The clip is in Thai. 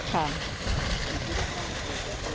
ใช่